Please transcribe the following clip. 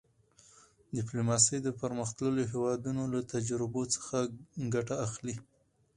ډیپلوماسي د پرمختللو هېوادونو له تجربو څخه ګټه اخلي.